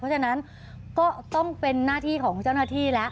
เพราะฉะนั้นก็ต้องเป็นหน้าที่ของเจ้าหน้าที่แล้ว